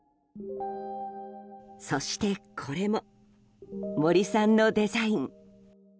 そしてこれも森さんのデザイン。